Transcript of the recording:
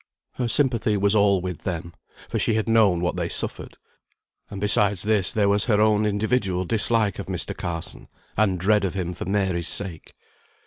Her sympathy was all with them, for she had known what they suffered; and besides this there was her own individual dislike of Mr. Carson, and dread of him for Mary's sake.